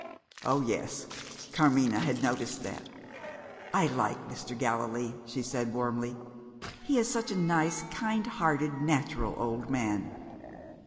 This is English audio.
Oh, yes! Carmina had noticed that. "I like Mr. Gallilee," she said warmly; "he is such a nice, kind hearted, natural old man."